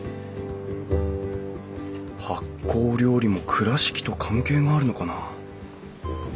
発酵料理も倉敷と関係があるのかな？